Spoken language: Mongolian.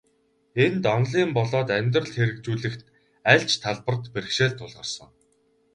Энд, онолын болоод амьдралд хэрэгжүүлэх аль ч талбарт бэрхшээл тулгарсан.